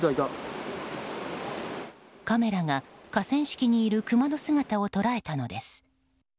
カメラが河川敷にいるクマの姿を捉えたのです。